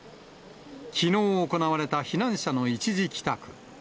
きのう行われた避難者の一時帰宅。